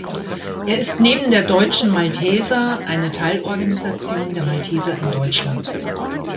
Er ist neben der Deutsche Malteser eine Teilorganisation der Malteser in Deutschland.